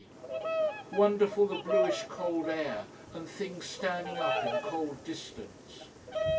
Wonderful the bluish, cold air, and things standing up in cold distance.